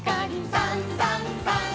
「さんさんさん」